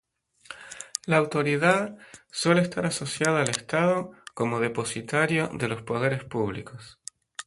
La autoridad suele estar asociada al Estado como depositario de los poderes públicos.